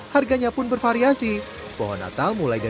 harganya pun bervariasi